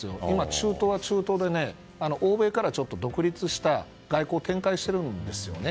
中東は中東で欧米からちょっと独立した外交を展開しているんですよね。